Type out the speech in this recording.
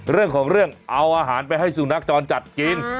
เรื่องของเรื่องเอาอาหารไปให้สุนัขจรจัดกิน